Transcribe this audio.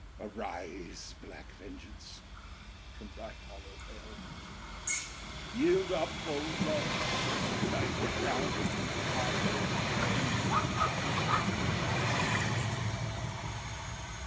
Arise, black vengeance, from thy hollow hell! Yield up, O love, thy crown and hearted throne To tyrannous hate!